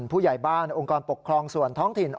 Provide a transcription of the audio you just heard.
ผู้ใหญ่บ้านองค์กรปกครองส่วนท้องถิ่น